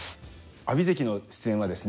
阿炎関の出演はですね